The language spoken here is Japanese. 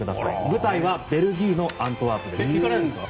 舞台はベルギーのアントワープです。